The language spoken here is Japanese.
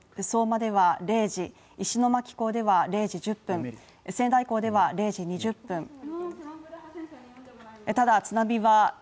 相馬では０時石巻港では０時１０分仙台港では０時２０分ただ津波